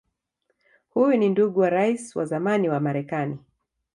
Huyu ni ndugu wa Rais wa zamani wa Marekani Bw.